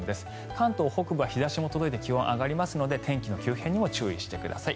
関東北部は日差しも届いて気温が上がりますので天気の急変に注意してください。